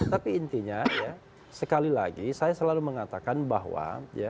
tapi intinya ya sekali lagi saya selalu mengatakan bahwa